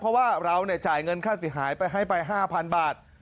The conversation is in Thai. เพราะว่าเราจ่ายเงินค่าเสียหายไปให้ไป๕๐๐๐บาท